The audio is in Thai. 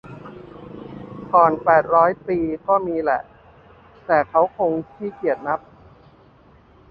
ก่อนแปดร้อยปีก็มีแหละ แต่เค้าคงขี้เกียจนับ